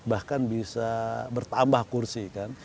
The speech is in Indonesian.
bahkan bisa bertambah kursi kan